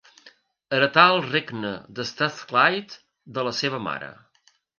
Heretà el Regne de Strathclyde de la seva mare.